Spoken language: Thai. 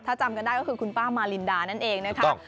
ถ้าจำกันได้ก็คือคุณป้ามารินดานั่นเองนะคะ